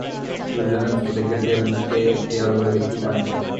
দুর্যোধন স্ফটিকের দেয়ালকে দেয়াল বলে দেখতেই পান নি।